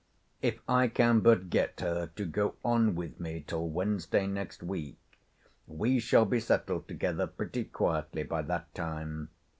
If I can but get her to go on with me till Wednesday next week, we shall be settled together pretty quietly by that time.